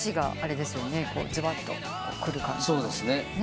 そうですね。